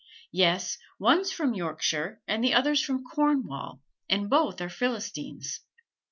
Yes, one's from Yorkshire and the other's from Cornwall, and both are Philistines."